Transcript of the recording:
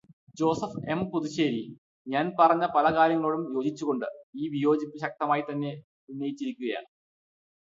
Joseph M Puthussery ഞാൻ പറഞ്ഞ പല കാര്യങ്ങളോടും യോജിച്ചുകൊണ്ട് ഈ വിയോജിപ്പ് ശക്തമായിത്തന്നെ ഉന്നയിച്ചിരിക്കുകയാണ്.